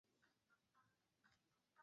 你还是放弃吧